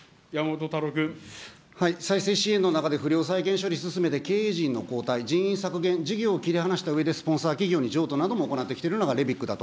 再生支援の中で不良債権処理進めて、経営陣の交代、人員削減、事業を切り離したうえで、スポンサー企業に譲渡なども行ってきているのがＲＥＶＩＣだと。